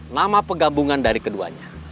nama pegabungan dari keduanya